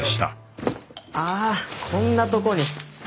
あこんなとこに。